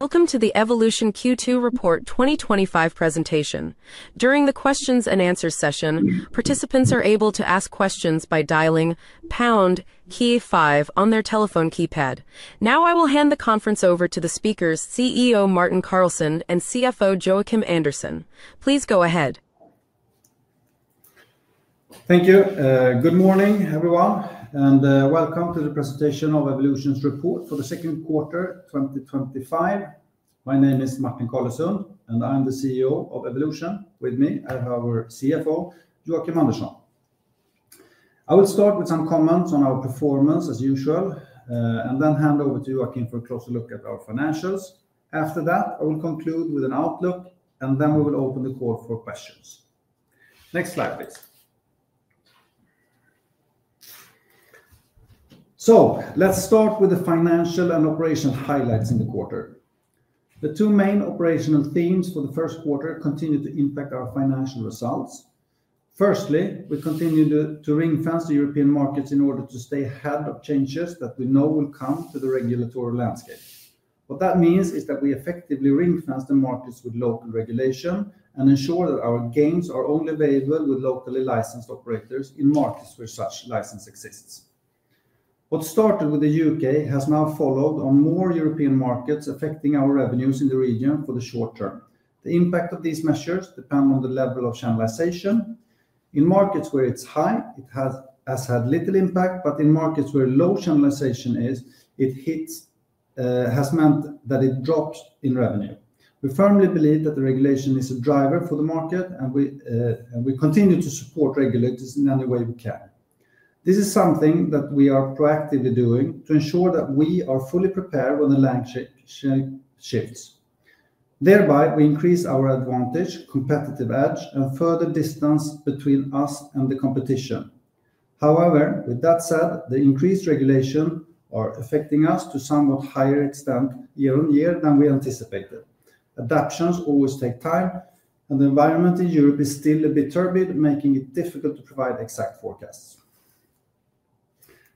Welcome to the Evolution Q2 Report 2025 presentation. During the questions and answers session, participants are able to ask questions by dialing pound key five on their telephone keypad. Now I will hand the conference over to the speakers, CEO Martin Carlesund and CFO Joakim Andersson. Please go ahead. Thank you. Good morning, everyone, and welcome to the presentation of Evolution's report for the second quarter 2025. My name is Martin Carlesund, and I'm the CEO of Evolution. With me I have our CFO, Joakim Andersson. I will start with some comments on our performance as usual, and then hand over to Joakim for a closer look at our financials. After that, I will conclude with an outlook, and then we will open the call for questions. Next slide, please. So let's start with the financial and operational highlights in the quarter. The two main operational themes for the first quarter continue to impact our financial results. Firstly, we continue to ring-fence the European markets in order to stay ahead of changes that we know will come to the regulatory landscape. What that means is that we effectively ring-fence the markets with local regulation and ensure that our games are only available with locally licensed operators in markets where such license exists. What started with the UK has now followed on more European markets, affecting our revenues in the region for the short term. The impact of these measures depends on the level of channelization. In markets where it's high, it has had little impact, but in markets where low channelization is, it has meant that it drops in revenue. We firmly believe that the regulation is a driver for the market, and we continue to support regulators in any way we can. This is something that we are proactively doing to ensure that we are fully prepared when the landscape shifts. Thereby, we increase our advantage, competitive edge, and further distance between us and the competition. However, with that said, the increased regulations are affecting us to a somewhat higher extent year on year than we anticipated. Adaptations always take time, and the environment in Europe is still a bit turbid, making it difficult to provide exact forecasts.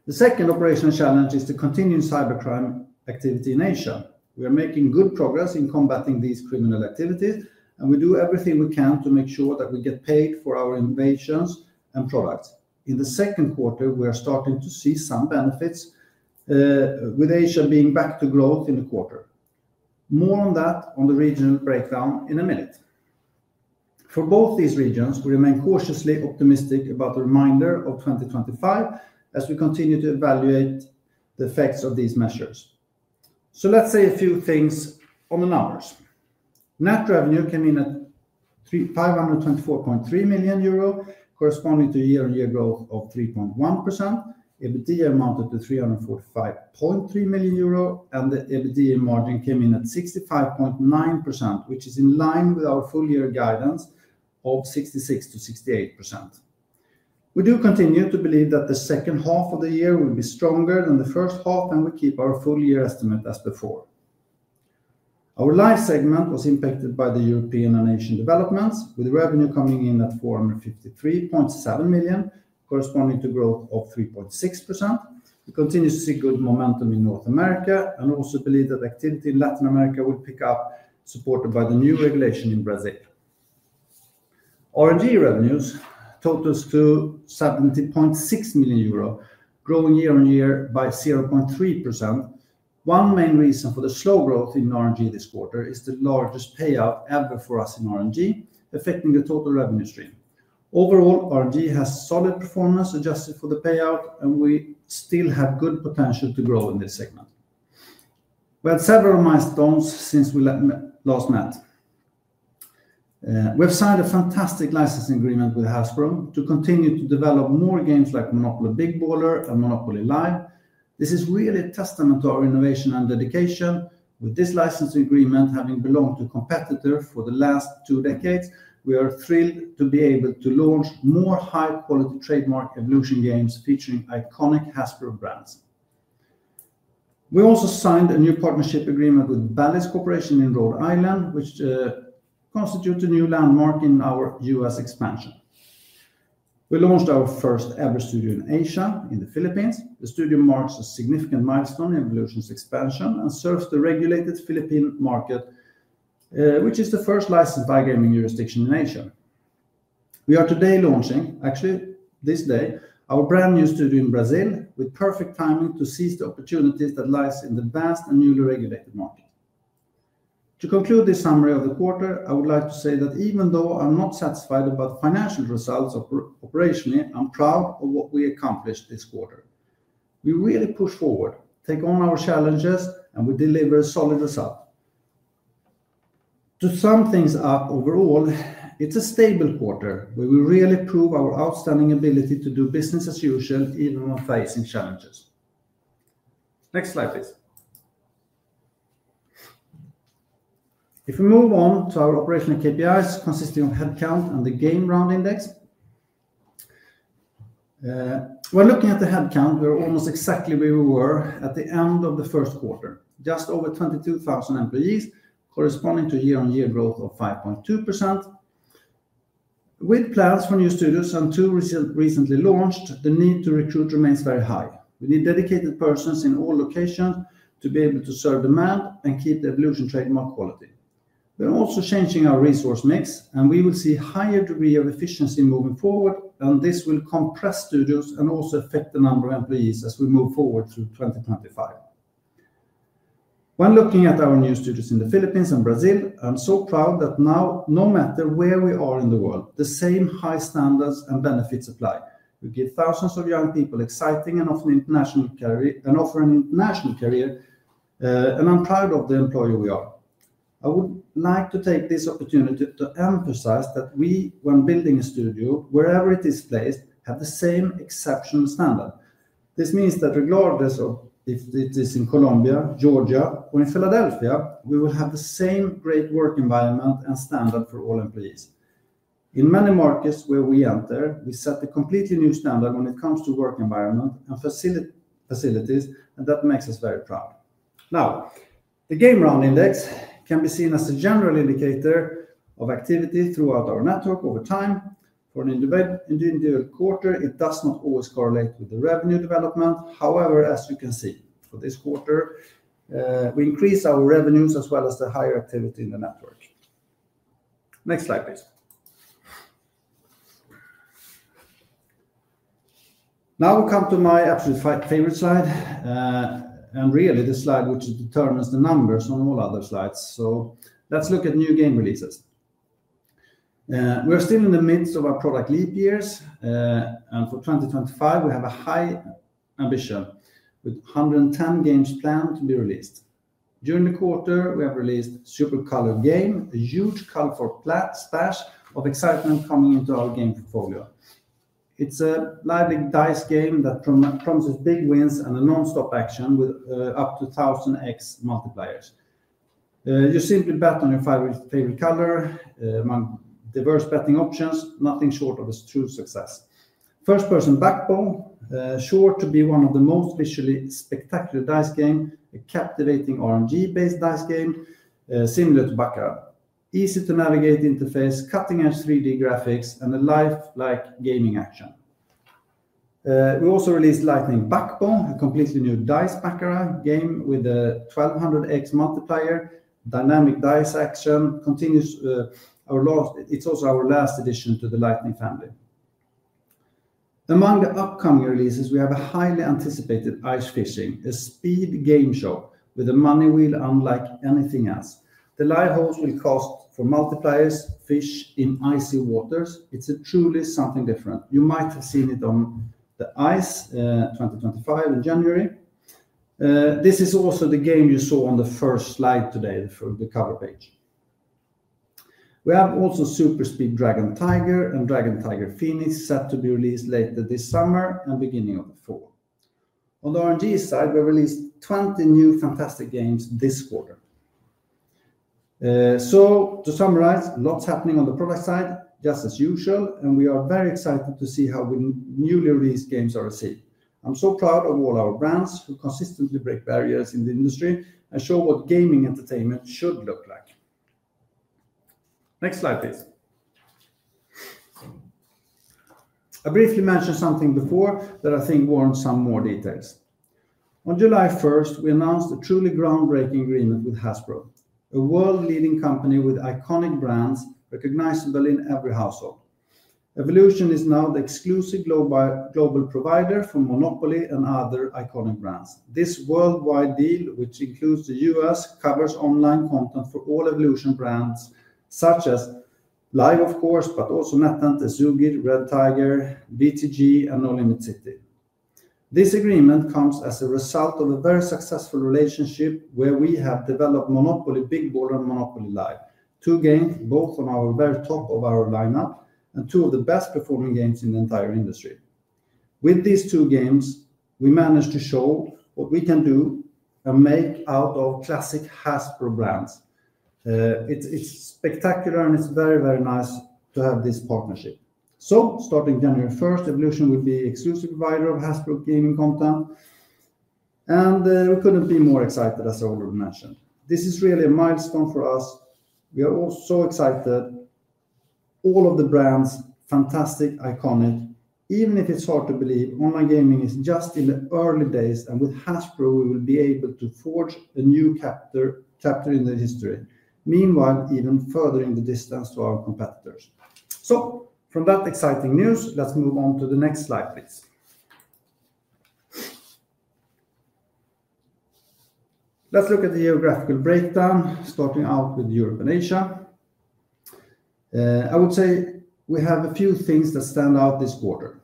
The second operational challenge is the continued cybercrime activity in Asia. We are making good progress in combating these criminal activities, and we do everything we can to make sure that we get paid for our innovations and products. In the second quarter, we are starting to see some benefits, with Asia being back to growth in the quarter. More on that on the regional breakdown in a minute. For both these regions, we remain cautiously optimistic about the remainder of 2025 as we continue to evaluate the effects of these measures. So let's say a few things on the numbers. Net revenue came in at 524.3 million euro, corresponding to year-on-year growth of 3.1%. EBITDA amounted to 345.3 million euro, and the EBITDA margin came in at 65.9%, which is in line with our full-year guidance of 66%-68%. We do continue to believe that the second half of the year will be stronger than the first half, and we keep our full-year estimate as before. Our live segment was impacted by the European and Asian developments, with revenue coming in at 453.7 million, corresponding to growth of 3.6%. We continue to see good momentum in North America and also believe that activity in Latin America will pick up, supported by the new regulation in Brazil. RNG revenues totaled 270.6 million euro, growing year on year by 0.3%. One main reason for the slow growth in RNG this quarter is the largest payout ever for us in RNG, affecting the total revenue stream. Overall, RNG has solid performance adjusted for the payout, and we still have good potential to grow in this segment. We had several milestones since we last met. We have signed a fantastic licensing agreement with Hasbro to continue to develop more games like Monopoly Big Baller and Monopoly Live. This is really a testament to our innovation and dedication. With this licensing agreement having belonged to competitors for the last two decades, we are thrilled to be able to launch more high-quality trademark evolution games featuring iconic Hasbro brands. We also signed a new partnership agreement with Bally's Corporation in Rhode Island, which constitutes a new landmark in our U.S. expansion. We launched our first ever studio in Asia, in the Philippines. The studio marks a significant milestone in Evolution's expansion and serves the regulated Philippine market, which is the first licensed iGaming jurisdiction in Asia. We are today launching, actually this day, our brand new studio in Brazil, with perfect timing to seize the opportunities that lie in the vast and newly regulated market. To conclude this summary of the quarter, I would like to say that even though I'm not satisfied about the financial results operationally, I'm proud of what we accomplished this quarter. We really pushed forward, took on our challenges, and we delivered a solid result. To sum things up overall, it's a stable quarter where we really proved our outstanding ability to do business as usual, even when facing challenges. Next slide, please. If we move on to our operational KPIs, consisting of headcount and the Game Round Index. When looking at the headcount, we are almost exactly where we were at the end of the first quarter, just over 22,000 employees, corresponding to year-on-year growth of 5.2%. With plans for new studios and two recently launched, the need to recruit remains very high. We need dedicated persons in all locations to be able to serve demand and keep the Evolution trademark quality. We're also changing our resource mix, and we will see a higher degree of efficiency moving forward, and this will compress studios and also affect the number of employees as we move forward through 2025. When looking at our new studios in the Philippines and Brazil, I'm so proud that now, no matter where we are in the world, the same high standards and benefits apply. We give thousands of young people exciting and often international careers and offer an international career, and I'm proud of the employer we are. I would like to take this opportunity to emphasize that we, when building a studio, wherever it is placed, have the same exceptional standard. This means that regardless of if it is in Colombia, Georgia, or in Philadelphia, we will have the same great work environment and standard for all employees. In many markets where we enter, we set a completely new standard when it comes to work environment and facilities, and that makes us very proud. Now, the Game Round Index can be seen as a general indicator of activity throughout our network over time. For an individual quarter, it does not always correlate with the revenue development. However, as you can see, for this quarter, we increased our revenues as well as the higher activity in the network. Next slide, please. Now we come to my absolute favorite slide, and really, this slide which determines the numbers on all other slides. So let's look at new game releases. We are still in the midst of our product leap years, and for 2025, we have a high ambition with 110 games planned to be released. During the quarter, we have released Super Color Game, a huge colorful splash of excitement coming into our game portfolio. It's a lively dice game that promises big wins and a nonstop action with up to 1,000x multipliers. You simply bet on your favorite color among diverse betting options, nothing short of a true success. First Person Backbone, sure to be one of the most visually spectacular dice games, a captivating RNG-based dice game similar to Baccarat. Easy-to-navigate interface, cutting-edge 3D graphics, and a lifelike gaming action. We also released Lightning Baccarat, a completely new dice Baccarat game with a 1,200x multiplier, dynamic dice action. It's also our last addition to the Lightning family. Among the upcoming releases, we have a highly anticipated Ice Fishing, a speed game show with a money wheel unlike anything else. The live host will cast for multipliers, fish in icy waters. It's truly something different. You might have seen it on the ICE 2025 in January. This is also the game you saw on the first slide today, the cover page. We have also Super Speed Dragon Tiger and Dragon Tiger Phoenix set to be released later this summer and beginning of the fall. On the R&D side, we released 20 new fantastic games this quarter. So to summarize, lots happening on the product side, just as usual, and we are very excited to see how newly released games are received. I'm so proud of all our brands who consistently break barriers in the industry and show what gaming entertainment should look like. Next slide, please. I briefly mentioned something before that I think warrants some more details. On July 1st, we announced a truly groundbreaking agreement with Hasbro, a world-leading company with iconic brands recognizable in every household. Evolution is now the exclusive global provider for Monopoly and other iconic brands. This worldwide deal, which includes the U.S., covers online content for all Evolution brands such as Live of course, but also NetEnt, Ezugi, Red Tiger, BTG, and Nolimit City. This agreement comes as a result of a very successful relationship where we have developed Monopoly Big Baller and Monopoly Live, two games both on the very top of our lineup and two of the best-performing games in the entire industry. With these two games, we managed to show what we can do. And make out of classic Hasbro brands. It's spectacular, and it's very, very nice to have this partnership. So starting January 1st, Evolution will be the exclusive provider of Hasbro gaming content. And we couldn't be more excited, as I already mentioned. This is really a milestone for us. We are all so excited. All of the brands, fantastic, iconic, even if it's hard to believe, online gaming is just in the early days, and with Hasbro, we will be able to forge a new chapter in the history, meanwhile even furthering the distance to our competitors. So from that exciting news, let's move on to the next slide, please. Let's look at the geographical breakdown, starting out with Europe and Asia. I would say we have a few things that stand out this quarter.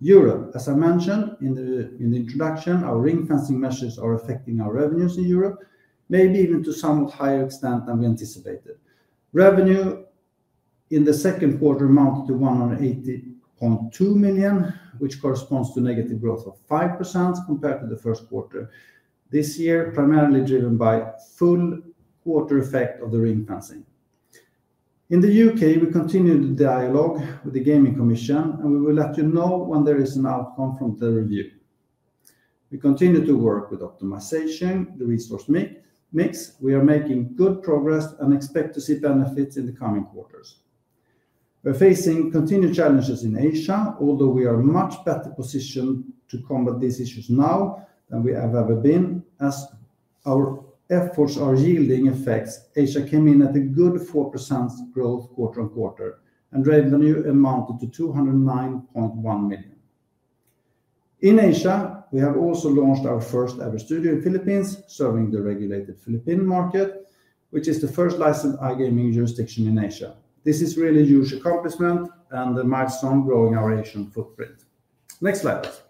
Europe, as I mentioned in the introduction, our ring-fencing measures are affecting our revenues in Europe, maybe even to a somewhat higher extent than we anticipated. Revenue. In the second quarter amounted to 180.2 million, which corresponds to a negative growth of 5% compared to the first quarter this year, primarily driven by the full quarter effect of the ring-fencing. In the UK, we continued the dialogue with the Gambling Commission, and we will let you know when there is an outcome from the review. We continue to work with optimization, the resource mix. We are making good progress and expect to see benefits in the coming quarters. We're facing continued challenges in Asia, although we are much better positioned to combat these issues now than we have ever been. As our efforts are yielding effects, Asia came in at a good 4% growth quarter on quarter, and revenue amounted to 209.1 million. In Asia, we have also launched our first ever studio in the Philippines, serving the regulated Philippine market, which is the first licensed iGaming jurisdiction in Asia. This is really a huge accomplishment and a milestone growing our Asian footprint. Next slide, please.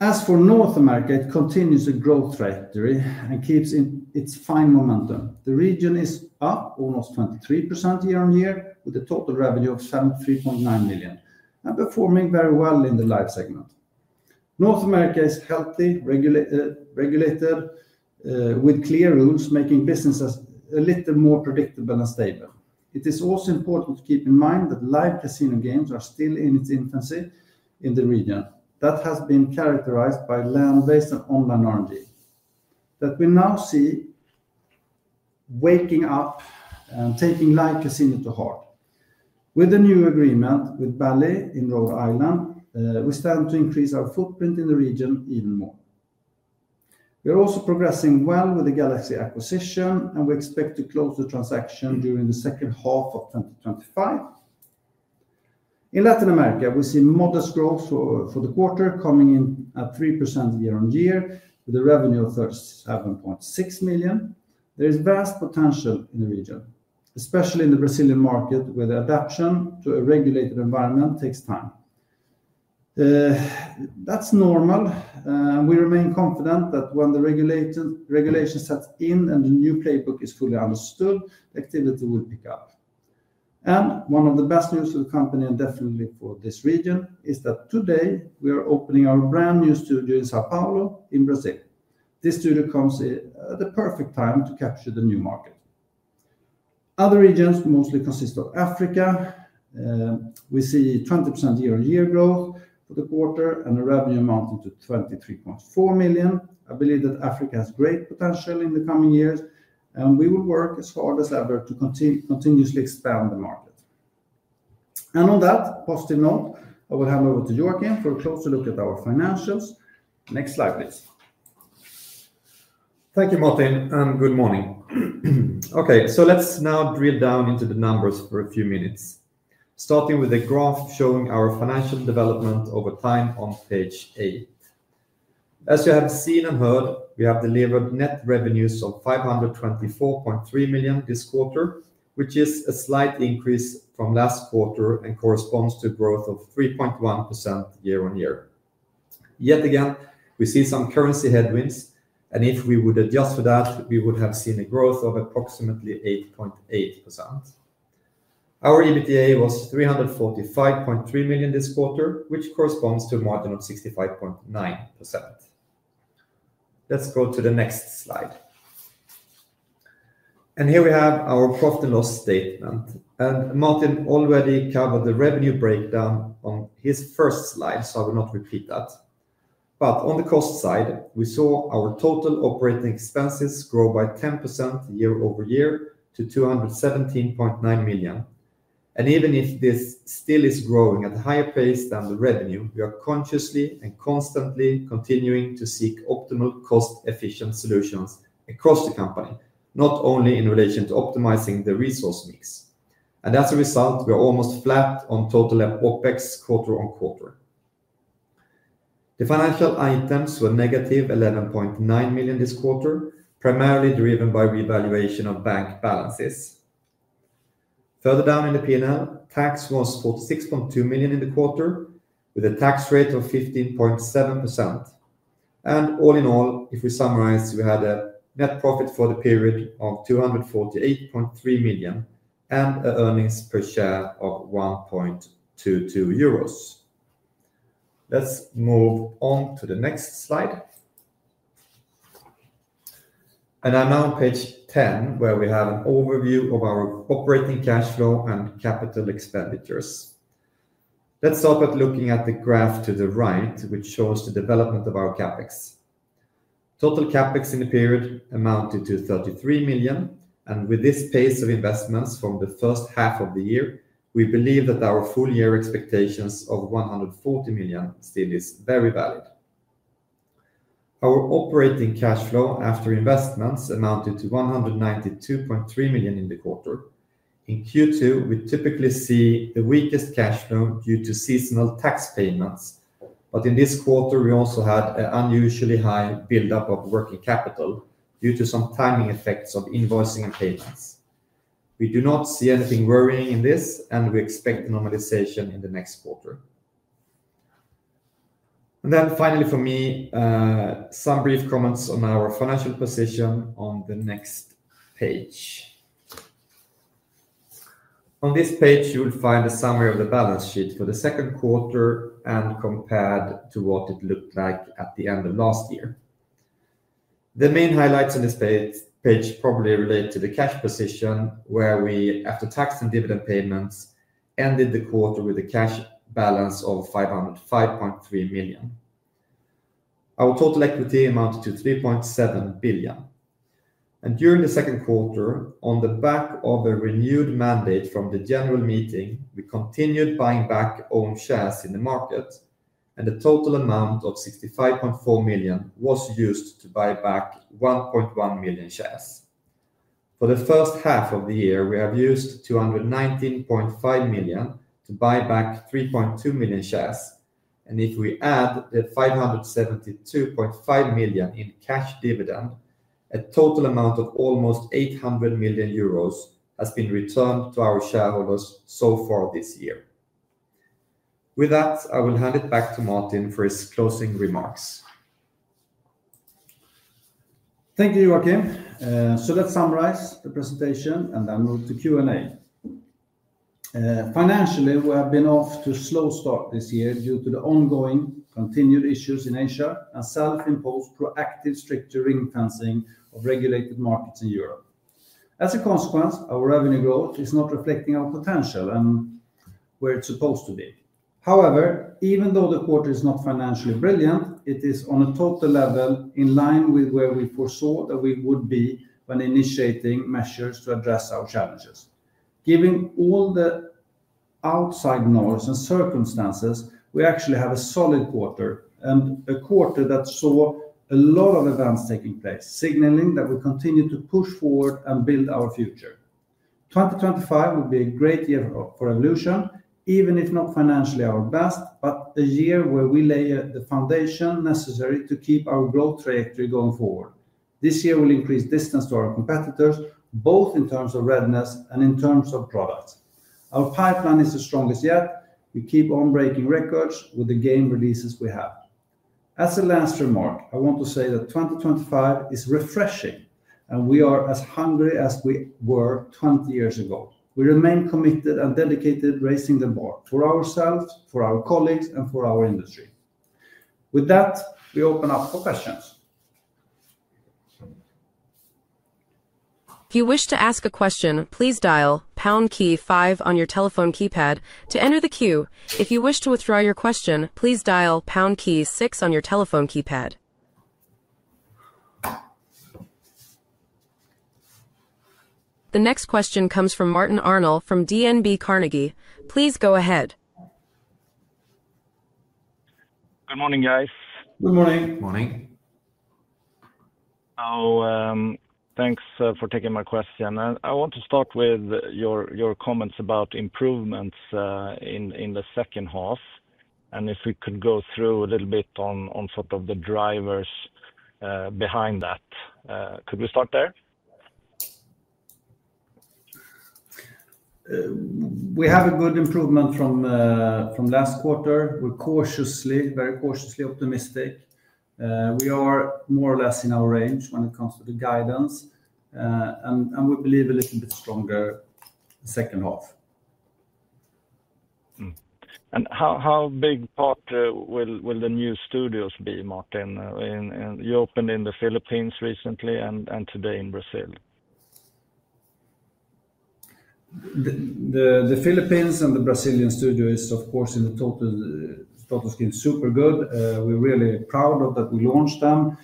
As for North America, it continues a growth trajectory and keeps its fine momentum. The region is up almost 23% year on year, with a total revenue of 73.9 million, and performing very well in the live segment. North America is healthy, regulated. With clear rules, making businesses a little more predictable and stable. It is also important to keep in mind that live casino games are still in its infancy in the region. That has been characterized by land-based and online RNG. That we now see. Waking up and taking live casino to heart. With the new agreement with Bally's in Rhode Island, we stand to increase our footprint in the region even more. We are also progressing well with the Galaxy Gaming acquisition, and we expect to close the transaction during the second half of 2025. In Latin America, we see modest growth for the quarter, coming in at 3% year on year, with a revenue of 37.6 million. There is vast potential in the region, especially in the Brazilian market, where the adaptation to a regulated environment takes time. That's normal. We remain confident that when the regulation sets in and the new playbook is fully understood, the activity will pick up. One of the best news for the company, and definitely for this region, is that today we are opening our brand new studio in São Paulo in Brazil. This studio comes at the perfect time to capture the new market. Other regions mostly consist of Africa. We see 20% year-on-year growth for the quarter and a revenue amounting to 23.4 million. I believe that Africa has great potential in the coming years, and we will work as hard as ever to continuously expand the market. On that positive note, I will hand over to Joakim for a closer look at our financials. Next slide, please. Thank you, Martin, and good morning. Okay, so let's now drill down into the numbers for a few minutes, starting with a graph showing our financial development over time on page eight. As you have seen and heard, we have delivered net revenues of 524.3 million this quarter, which is a slight increase from last quarter and corresponds to a growth of 3.1% year on year. Yet again, we see some currency headwinds, and if we would adjust for that, we would have seen a growth of approximately 8.8%. Our EBITDA was 345.3 million this quarter, which corresponds to a margin of 65.9%. Let's go to the next slide. Here we have our profit and loss statement. Martin already covered the revenue breakdown on his first slide, so I will not repeat that. On the cost side, we saw our total operating expenses grow by 10% year over year to 217.9 million. Even if this still is growing at a higher pace than the revenue, we are consciously and constantly continuing to seek optimal cost-efficient solutions across the company, not only in relation to optimizing the resource mix. As a result, we are almost flat on total OPEX quarter on quarter. The financial items were -11.9 million this quarter, primarily driven by revaluation of bank balances. Further down in the P&L, tax was 46.2 million in the quarter, with a tax rate of 15.7%. All in all, if we summarize, we had a net profit for the period of 248.3 million and an earnings per share of 1.22 euros. Let's move on to the next slide. I'm now on page 10, where we have an overview of our operating cash flow and capital expenditures. Let's start by looking at the graph to the right, which shows the development of our CapEx. Total CapEx in the period amounted to 33 million. With this pace of investments from the first half of the year, we believe that our full-year expectations of 140 million still are very valid. Our operating cash flow after investments amounted to 192.3 million in the quarter. In Q2, we typically see the weakest cash flow due to seasonal tax payments. In this quarter, we also had an unusually high buildup of working capital due to some timing effects of invoicing and payments. We do not see anything worrying in this, and we expect normalization in the next quarter. Then, finally for me, some brief comments on our financial position on the next page. On this page, you will find a summary of the balance sheet for the second quarter and compared to what it looked like at the end of last year. The main highlights on this page probably relate to the cash position, where we, after tax and dividend payments, ended the quarter with a cash balance of 505.3 million. Our total equity amounted to 3.7 billion. During the second quarter, on the back of a renewed mandate from the general meeting, we continued buying back own shares in the market, and the total amount of 65.4 million was used to buy back 1.1 million shares. For the first half of the year, we have used 219.5 million to buy back 3.2 million shares. If we add the 572.5 million in cash dividend, a total amount of almost 800 million euros has been returned to our shareholders so far this year. With that, I will hand it back to Martin for his closing remarks. Thank you, Joakim. Let's summarize the presentation, and then we'll move to Q&A. Financially, we have been off to a slow start this year due to the ongoing continued issues in Asia and self-imposed proactive stricter ring-fencing of regulated markets in Europe. As a consequence, our revenue growth is not reflecting our potential and where it's supposed to be. However, even though the quarter is not financially brilliant, it is on a total level in line with where we foresaw that we would be when initiating measures to address our challenges. Given all the outside noise and circumstances, we actually have a solid quarter and a quarter that saw a lot of events taking place, signaling that we continue to push forward and build our future. 2025 will be a great year for Evolution, even if not financially our best, but a year where we lay the foundation necessary to keep our growth trajectory going forward. This year will increase distance to our competitors, both in terms of readiness and in terms of products. Our pipeline is the strongest yet. We keep on breaking records with the game releases we have. As a last remark, I want to say that 2025 is refreshing, and we are as hungry as we were 20 years ago. We remain committed and dedicated, raising the bar for ourselves, for our colleagues, and for our industry. With that, we open up for questions. If you wish to ask a question, please dial pound key five on your telephone keypad to enter the queue. If you wish to withdraw your question, please dial #Key6 on your telephone keypad. The next question comes from Martin Arnold from DNB Carnegie. Please go ahead. Good morning, guys. Good morning. Good morning. Thanks for taking my question. I want to start with your comments about improvements in the second half, and if we could go through a little bit on sort of the drivers behind that. Could we start there? We have a good improvement from last quarter. We're cautiously, very cautiously optimistic. We are more or less in our range when it comes to the guidance. And we believe a little bit stronger second half. And how big part will the new studios be, Martin? You opened in the Philippines recently and today in Brazil. The Philippines and the Brazilian studio is, of course, in the total scheme, super good. We're really proud of that we launched them.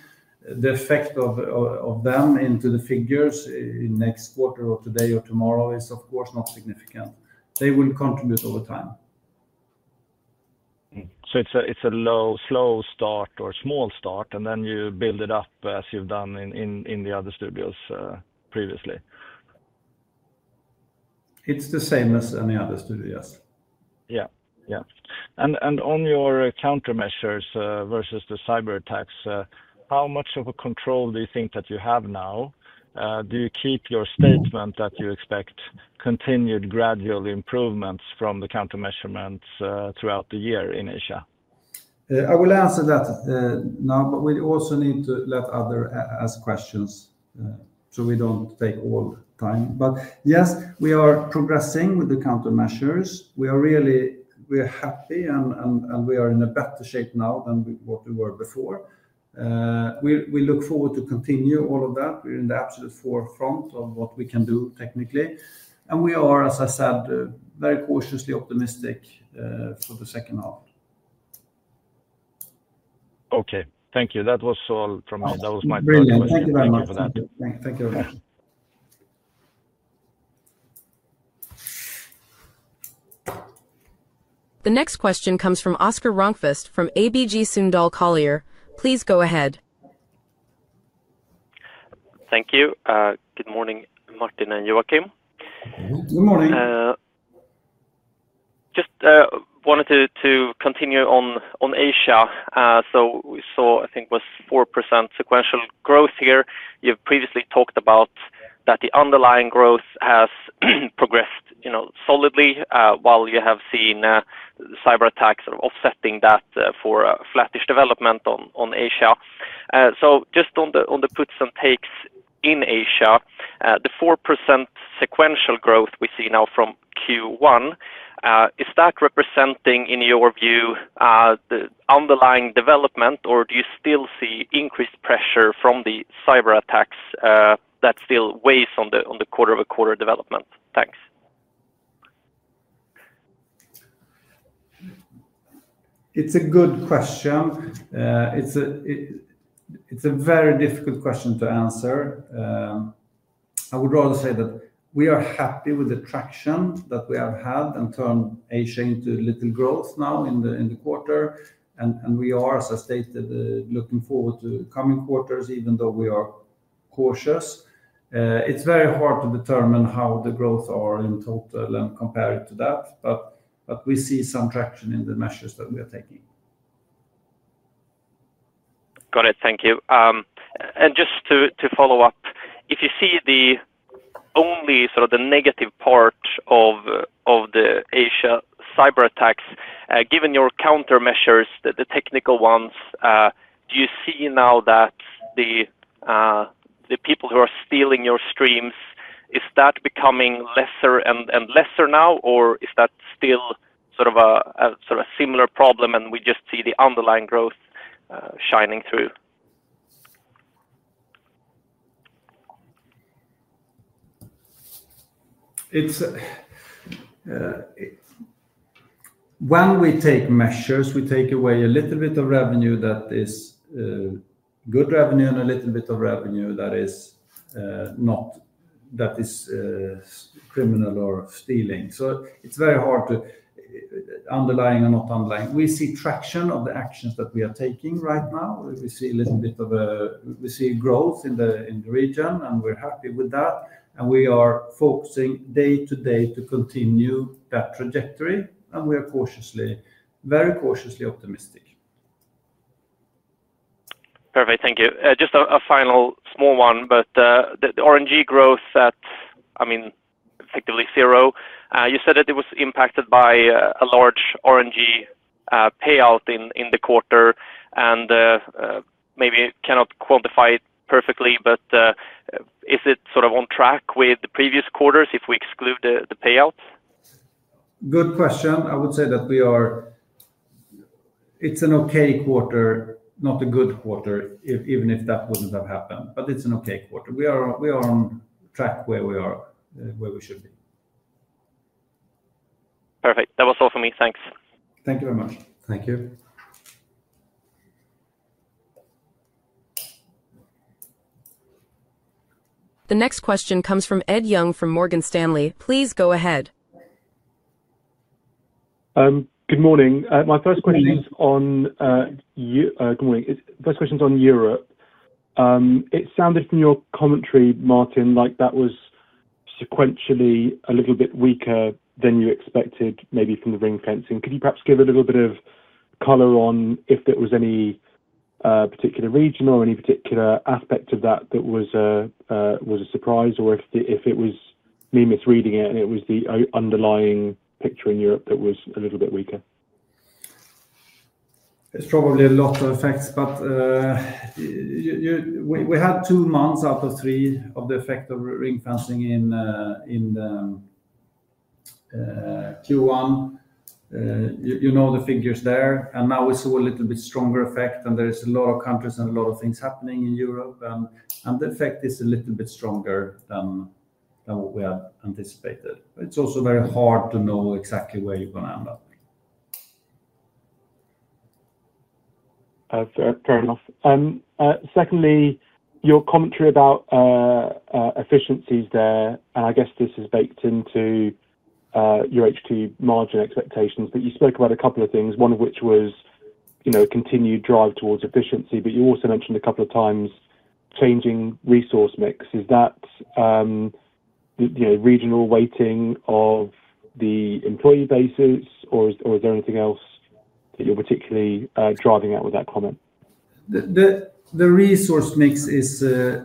The effect of them into the figures in next quarter or today or tomorrow is, of course, not significant. They will contribute over time. So it's a slow start or small start, and then you build it up as you've done in the other studios previously. It's the same as any other studio, yes. Yeah, yeah. And on your countermeasures versus the cyberattacks, how much of a control do you think that you have now? Do you keep your statement that you expect continued gradual improvements from the countermeasurements throughout the year in Asia? I will answer that now, but we also need to let others ask questions so we don't take all the time. But yes, we are progressing with the countermeasures. We are really, we are happy, and we are in a better shape now than what we were before. We look forward to continue all of that. We're in the absolute forefront of what we can do technically. And we are, as I said, very cautiously optimistic for the second half. Okay, thank you. That was all from me. That was my first question. Thank you very much. Thank you very much. The next question comes from Oscar Rönnkvist from ABG Sundal Collier. Please go ahead. Thank you. Good morning, Martin and Joakim. Good morning. Just wanted to continue on Asia. So we saw, I think, was 4% sequential growth here. You've previously talked about that the underlying growth has progressed solidly while you have seen cyberattacks sort of offsetting that for flattish development on Asia. So just on the puts and takes in Asia, the 4% sequential growth we see now from Q1. Is that representing, in your view, the underlying development, or do you still see increased pressure from the cyberattacks that still weighs on the quarter-over-quarter development? Thanks. It's a good question. It's a very difficult question to answer. I would rather say that we are happy with the traction that we have had and turned Asia into little growth now in the quarter. And we are, as I stated, looking forward to coming quarters, even though we are cautious. It's very hard to determine how the growths are in total and compare it to that, but we see some traction in the measures that we are taking. Got it. Thank you. And just to follow up, if you see only sort of the negative part of the Asia cyberattacks, given your countermeasures, the technical ones, do you see now that the people who are stealing your streams, is that becoming lesser and lesser now, or is that still sort of a similar problem and we just see the underlying growth shining through? When we take measures, we take away a little bit of revenue that is good revenue and a little bit of revenue that is not criminal or stealing. So it's very hard to underlying or not underlying. We see traction of the actions that we are taking right now. We see a little bit of a, we see growth in the region, and we're happy with that. And we are focusing day to day to continue that trajectory, and we are cautiously, very cautiously optimistic. Perfect. Thank you. Just a final small one, but the RNG growth at, I mean, effectively zero. You said that it was impacted by a large RNG payout in the quarter, and maybe cannot quantify it perfectly, but is it sort of on track with the previous quarters if we exclude the payout? Good question. I would say that we are, it's an okay quarter, not a good quarter, even if that wouldn't have happened, but it's an okay quarter. We are on track where we are, where we should be. Perfect. That was all for me. Thanks. Thank you very much. Thank you. The next question comes from Ed Young from Morgan Stanley. Please go ahead. Good morning. My first question is on. Good morning. First question is on Europe. It sounded from your commentary, Martin, like that was sequentially a little bit weaker than you expected, maybe from the ring-fencing. Could you perhaps give a little bit of color on if there was any particular region or any particular aspect of that that was. A surprise, or if it was me misreading it and it was the underlying picture in Europe that was a little bit weaker? It's probably a lot of effects, but we had two months out of three of the effect of ring-fencing in Q1. You know the figures there. And now we saw a little bit stronger effect, and there is a lot of countries and a lot of things happening in Europe, and the effect is a little bit stronger than what we had anticipated. It's also very hard to know exactly where you're going to end up. Fair enough. And secondly, your commentary about efficiencies there, and I guess this is baked into your [H2] margin expectations, but you spoke about a couple of things, one of which was a continued drive towards efficiency, but you also mentioned a couple of times changing resource mix. Is that regional weighting of the employee bases, or is there anything else that you're particularly driving out with that comment? The resource mix is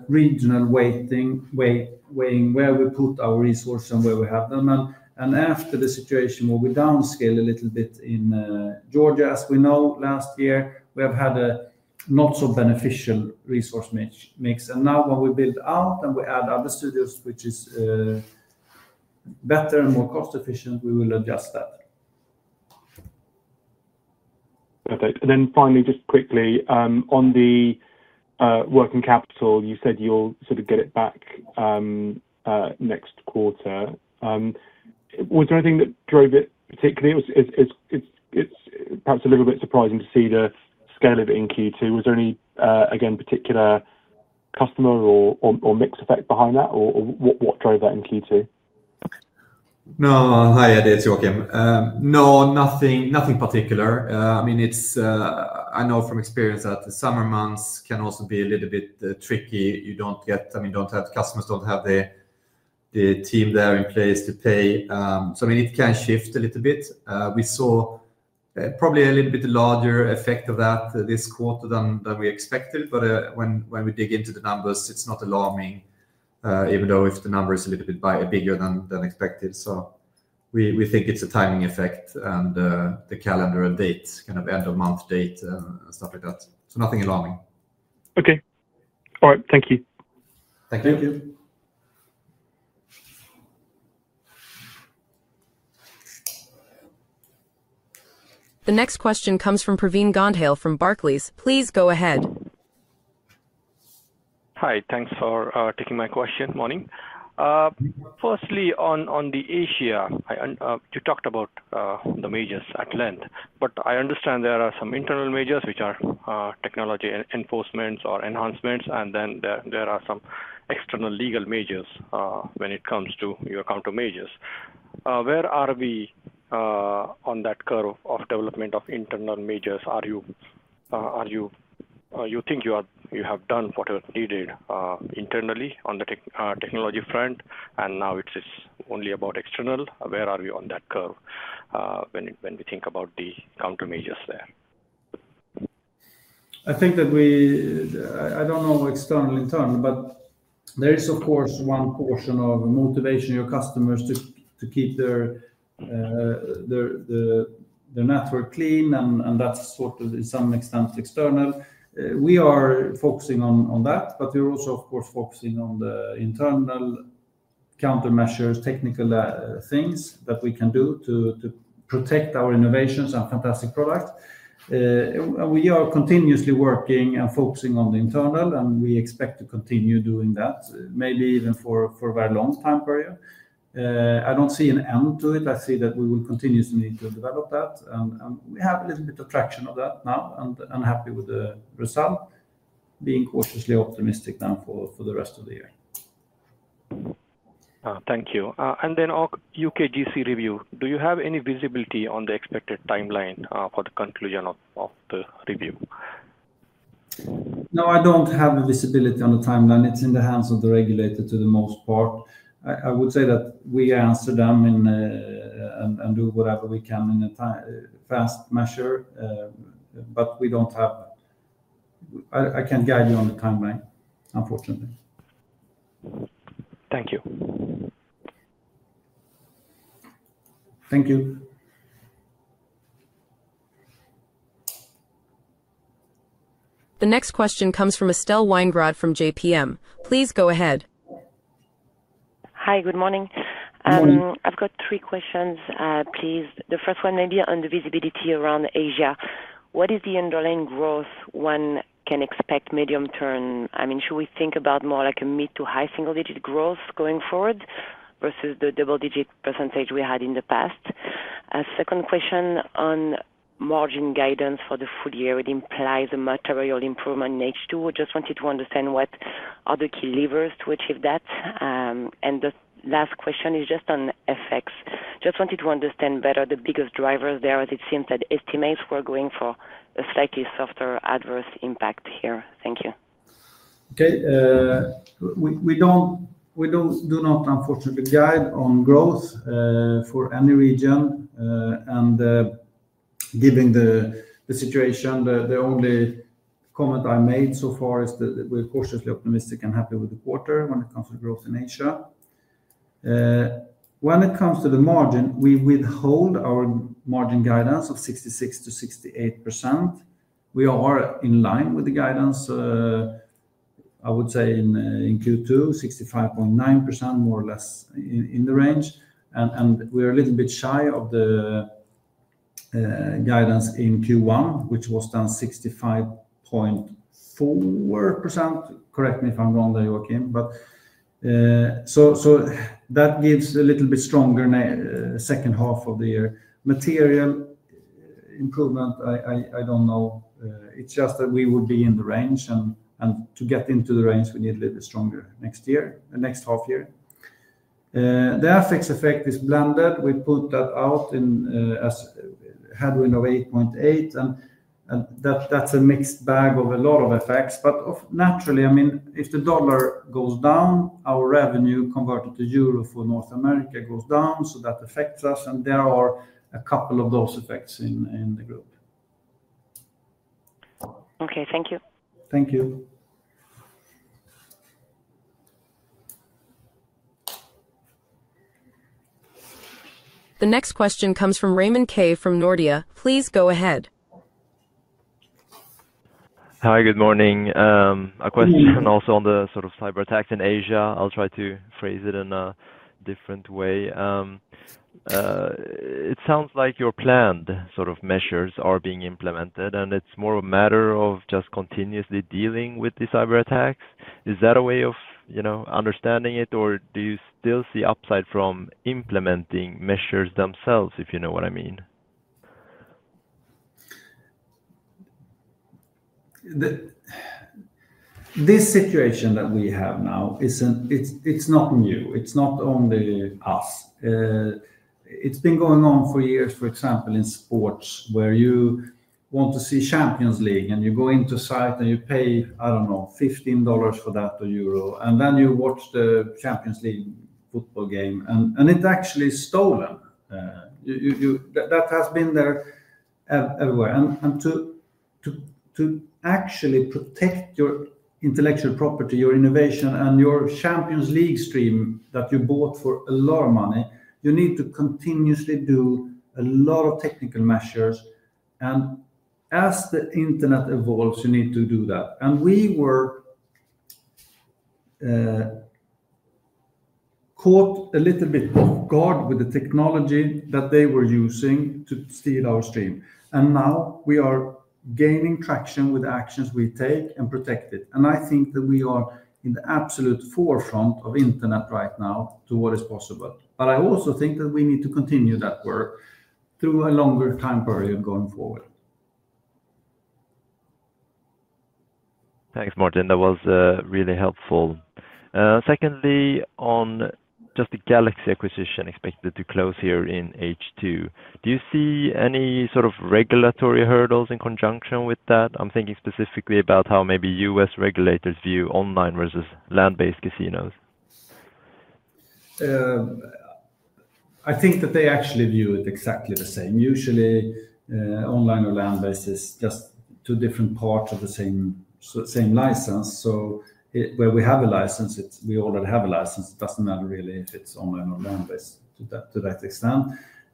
regional weighting, where we put our resources and where we have them. And after the situation where we downscaled a little bit in Georgia, as we know, last year, we have had a not-so-beneficial resource mix. And now when we build out and we add other studios, which is better and more cost-efficient, we will adjust that. Perfect. And then finally, just quickly, on the working capital, you said you'll sort of get it back next quarter. Was there anything that drove it particularly? It's perhaps a little bit surprising to see the scale of it in Q2. Was there any, again, particular customer or mixed effect behind that, or what drove that in Q2? No, hi, Ed. It's Joakim. No, nothing particular. I mean, I know from experience that the summer months can also be a little bit tricky. You don't get, I mean, you don't have customers, don't have the team there in place to pay. So I mean, it can shift a little bit. We saw probably a little bit larger effect of that this quarter than we expected, but when we dig into the numbers, it's not alarming, even though if the number is a little bit bigger than expected. So we think it's a timing effect and the calendar and date, kind of end-of-month date and stuff like that. So nothing alarming. Okay. All right. Thank you. Thank you. The next question comes from Pravin Gondhale from Barclays. Please go ahead. Hi. Thanks for taking my question. Morning. Firstly, on Asia, you talked about the measures at length, but I understand there are some internal measures which are technology enhancements, and then there are some external legal measures when it comes to your countermeasures. Where are we on that curve of development of internal measures? You think you have done whatever needed internally on the technology front, and now it's only about external. Where are we on that curve when we think about the countermeasures there? I think that we—I don't know external internal, but there is, of course, one portion of motivation of your customers to keep their network clean, and that's sort of, to some extent, external. We are focusing on that, but we're also, of course, focusing on the internal countermeasures, technical things that we can do to protect our innovations and fantastic product. And we are continuously working and focusing on the internal, and we expect to continue doing that, maybe even for a very long time period. I don't see an end to it. I see that we will continuously need to develop that. And we have a little bit of traction on that now and are happy with the result. Being cautiously optimistic now for the rest of the year. Thank you. And then UKGC review, do you have any visibility on the expected timeline for the conclusion of the review? No, I don't have visibility on the timeline. It's in the hands of the regulator to the most part. I would say that we answer them and do whatever we can in a fast measure. But we don't have—I can't guide you on the timeline, unfortunately. Thank you. Thank you. The next question comes from Estelle Weingrod from JPM. Please go ahead. Hi. Good morning. Good morning. I've got three questions, please. The first one may be on the visibility around Asia. What is the underlying growth one can expect medium-term? I mean, should we think about more like a mid to high single-digit growth going forward versus the double-digit percentage we had in the past? Second question on margin guidance for the full year. It implies a material improvement in H2. I just wanted to understand what are the key levers to achieve that. And the last question is just on FX. Just wanted to understand better the biggest drivers there, as it seems that estimates were going for a slightly softer adverse impact here. Thank you. Okay. We do not, unfortunately, guide on growth for any region. And given the situation, the only comment I made so far is that we're cautiously optimistic and happy with the quarter when it comes to growth in Asia. When it comes to the margin, we withhold our margin guidance of 66%-68%. We are in line with the guidance. I would say in Q2, 65.9%, more or less in the range. And we are a little bit shy of the guidance in Q1, which was 65.4%. Correct me if I'm wrong there, Joakim, but so that gives a little bit stronger second half of the year. Material improvement, I don't know. It's just that we would be in the range, and to get into the range, we need a little bit stronger next year, next half year. The FX effect is blended. We put that out. A headwind of 8.8%. And that's a mixed bag of a lot of effects. But naturally, I mean, if the dollar goes down, our revenue converted to euro for North America goes down, so that affects us, and there are a couple of those effects in the group. Okay. Thank you. Thank you. The next question comes from Raymond Ke from Nordea. Please go ahead. Hi. Good morning. A question also on the sort of cyberattacks in Asia. I'll try to phrase it in a different way. It sounds like your planned sort of measures are being implemented, and it's more of a matter of just continuously dealing with the cyberattacks. Is that a way of understanding it, or do you still see upside from implementing measures themselves, if you know what I mean? This situation that we have now, it's not new. It's not only us. It's been going on for years, for example, in sports where you want to see Champions League, and you go into a site, and you pay, I don't know, $15 for that or euro, and then you watch the Champions League football game, and it's actually stolen. That has been there everywhere. And to actually protect your intellectual property, your innovation, and your Champions League stream that you bought for a lot of money, you need to continuously do a lot of technical measures. And as the internet evolves, you need to do that. And we were caught a little bit off guard with the technology that they were using to steal our stream. And now we are gaining traction with the actions we take and protect it. And I think that we are in the absolute forefront of internet right now to what is possible. But I also think that we need to continue that work through a longer time period going forward. Thanks, Martin. That was really helpful. Secondly, on just the Galaxy acquisition expected to close here in H2, do you see any sort of regulatory hurdles in conjunction with that? I'm thinking specifically about how maybe U.S. regulators view online versus land-based casinos. I think that they actually view it exactly the same. Usually, online or land-based is just two different parts of the same license. So where we have a license, we already have a license. It doesn't matter really if it's online or land-based to that extent.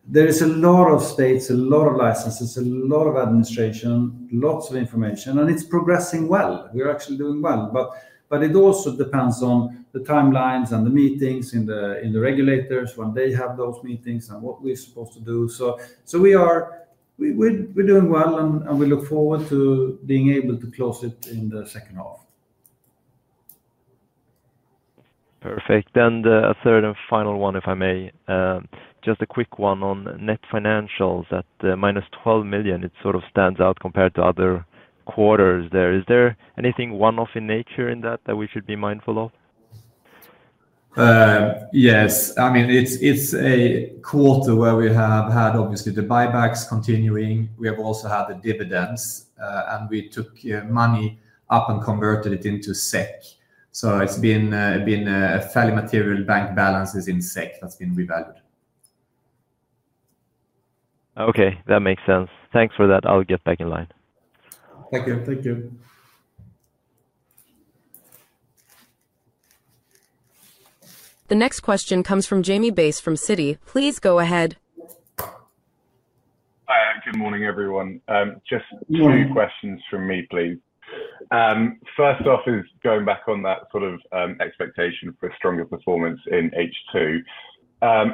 There is a lot of states, a lot of licenses, a lot of administration, lots of information, and it's progressing well. We're actually doing well. But it also depends on the timelines and the meetings in the regulators when they have those meetings and what we're supposed to do. So we're doing well, and we look forward to being able to close it in the second half. Perfect. And a third and final one, if I may. Just a quick one on net financials at -12 million. It sort of stands out compared to other quarters there. Is there anything one-off in nature in that that we should be mindful of? Yes. I mean, it's a quarter where we have had, obviously, the buybacks continuing. We have also had the dividends, and we took money up and converted it into SEC. So it's been a fairly material bank balance that's been revalued. Okay. That makes sense. Thanks for that. I'll get back in line. Thank you. Thank you. The next question comes from Jamie Bass from Citi. Please go ahead. Hi. Good morning, everyone. Just two questions from me, please. First off is going back on that sort of expectation for stronger performance in H2.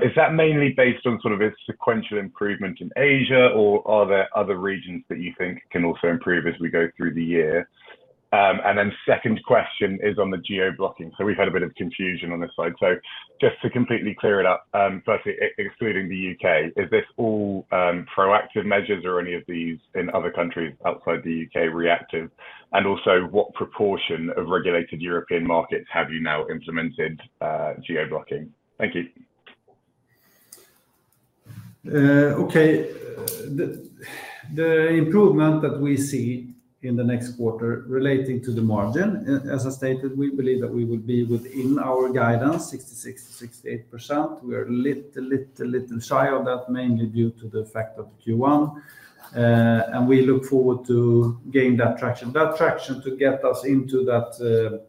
Is that mainly based on sort of a sequential improvement in Asia, or are there other regions that you think can also improve as we go through the year? And then second question is on the geoblocking. So we've had a bit of confusion on this side. So just to completely clear it up, firstly, excluding the UK, is this all proactive measures, or are any of these in other countries outside the UK reactive? And also, what proportion of regulated European markets have you now implemented geoblocking? Thank you. Okay. The improvement that we see in the next quarter relating to the margin, as I stated, we believe that we will be within our guidance, 66%-68%. We are a little shy of that, mainly due to the fact of Q1. And we look forward to gaining that traction. That traction to get us into that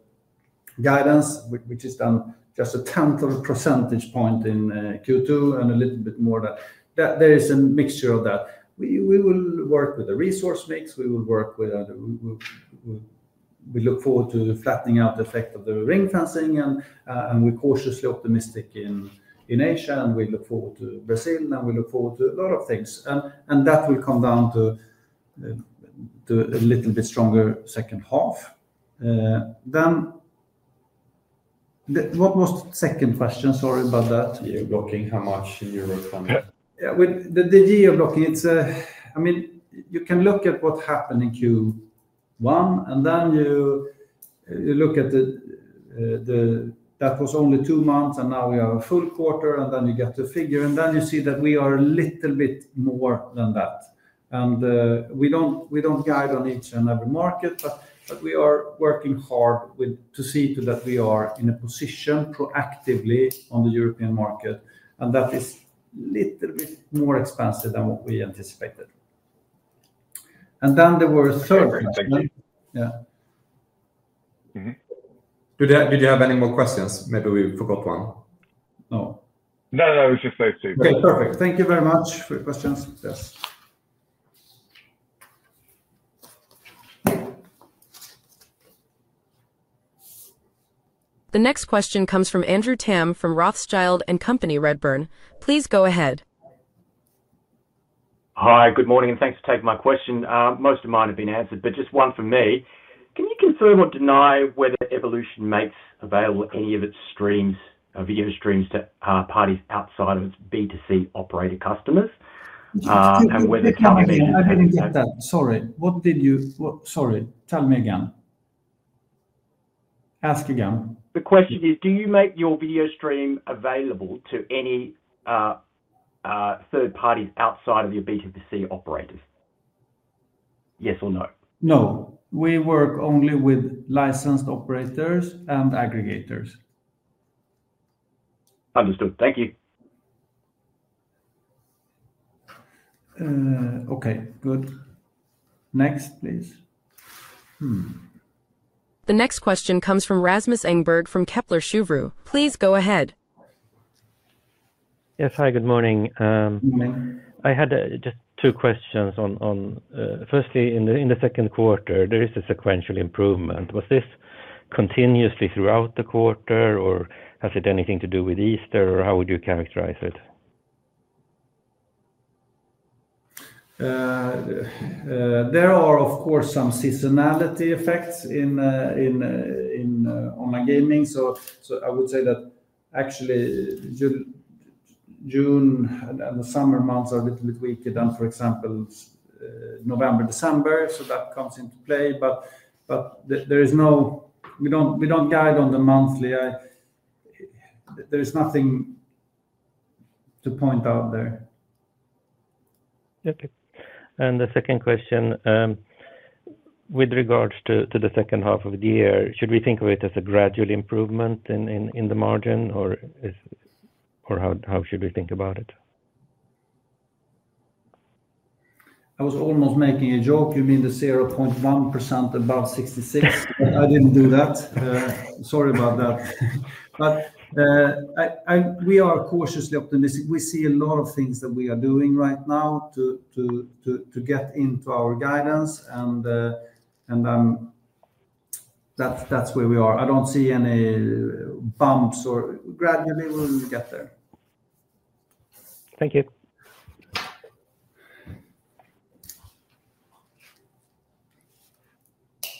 guidance, which is done just a tenth of a percentage point in Q2 and a little bit more than that. There is a mixture of that. We will work with the resource mix. We will work with. We look forward to flattening out the effect of the ring-fencing, and we're cautiously optimistic in Asia, and we look forward to Brazil, and we look forward to a lot of things. And that will come down to a little bit stronger second half. Then. What was the second question? Sorry about that. Geoblocking, how much in Europe? Yeah. The geoblocking, I mean, you can look at what happened in Q1, and then you look at that was only two months, and now we have a full quarter, and then you get to a figure, and then you see that we are a little bit more than that. And we don't guide on each and every market, but we are working hard to see that we are in a position proactively on the European market, and that is a little bit more expensive than what we anticipated. And then there were a third question. Yeah. Did you have any more questions? Maybe we forgot one. No. No, no. I was just saying too. Okay. Perfect. Thank you very much for your questions. Yes. The next question comes from Andrew Tam from Rothschild & Co Redburn. Please go ahead. Hi. Good morning. Thanks for taking my question. Most of mine have been answered, but just one from me. Can you confirm or deny whether Evolution makes available any of its video streams to parties outside of its B2C operator customers? And whether television? I didn't get that. Sorry. What did you—sorry. Tell me again. Ask again. The question is, do you make your video stream available to any third parties outside of your B2C operators? Yes or no? No. We work only with licensed operators and aggregators. Understood. Thank you. Okay. Good. Next, please. The next question comes from Rasmus Engberg from Kepler Cheuvreux. Please go ahead. Yes. Hi. Good morning. Good morning. I had just two questions. Firstly, in the second quarter, there is a sequential improvement. Was this continuously throughout the quarter, or has it anything to do with Easter, or how would you characterize it? There are, of course, some seasonality effects in online gaming. So I would say that actually June and the summer months are a little bit weaker than, for example, November, December. So that comes into play. But there is no—we don't guide on the monthly. There is nothing to point out there. Okay. And the second question. With regards to the second half of the year, should we think of it as a gradual improvement in the margin, or how should we think about it? I was almost making a joke. You mean the 0.1% above 66%? I didn't do that. Sorry about that. But we are cautiously optimistic. We see a lot of things that we are doing right now to get into our guidance, and that's where we are. I don't see any bumps or gradually, we'll get there. Thank you.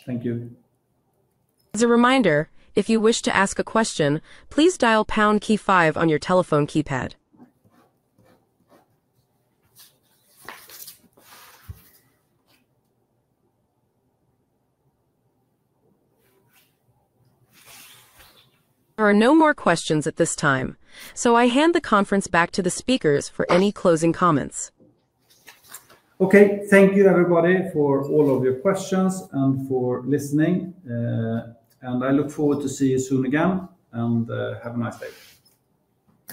Thank you. As a reminder, if you wish to ask a question, please dial pound key five on your telephone keypad. There are no more questions at this time, so I hand the conference back to the speakers for any closing comments. Okay. Thank you, everybody, for all of your questions and for listening. And I look forward to seeing you soon again and have a nice day.